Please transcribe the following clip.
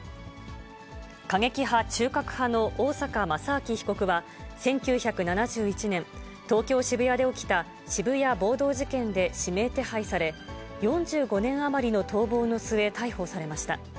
過激派、中核派の大坂正明被告は１９７１年、東京・渋谷で起きた渋谷暴動事件で指名手配され、４５年余りの逃亡の末、逮捕されました。